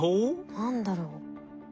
何だろう？